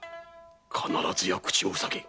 必ずや口を塞げ！